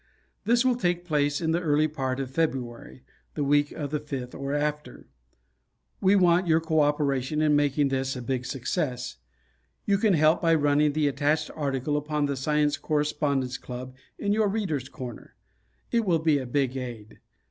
This will take place in the early part of February, the week of the 5th or after. We want your co operation in making this a big success. You can help by running the attached article upon the Science Correspondence Club in your "Readers' Corner." It will be a big aid.